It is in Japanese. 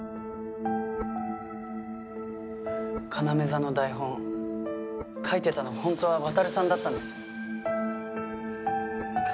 ＫＡＮＡＭＥ座の台本書いてたの本当は渉さんだったんです。